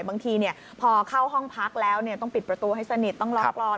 บางทีพอเข้าห้องพักแล้วต้องปิดประตูให้สนิทต้องล็อกกรอน